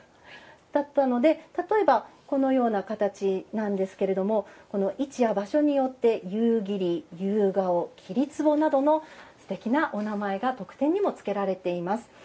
だったので、例えばこのような形なんですけれどもこの位置や場所によって夕霧夕顔桐壺などのすてきなお名前が得点にもつけられています。